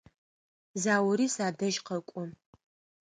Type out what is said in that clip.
Заури садэжь къэкӏо.